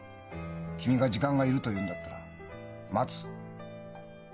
君が時間がいると言うんだったら待つ。